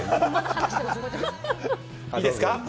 いいですか？